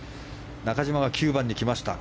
中島は９番に来ました。